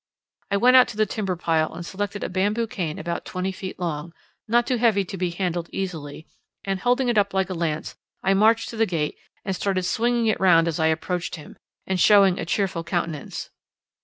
I went out to the timber pile and selected a bamboo cane about twenty feet long, not too heavy to be handled easily, and holding it up like a lance I marched to the gate and started swinging it round as I approached him, and showing a cheerful countenance.